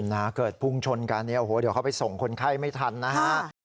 นะเกิดพุ่งชนกันเนี่ยโอ้โหเดี๋ยวเขาไปส่งคนไข้ไม่ทันนะฮะ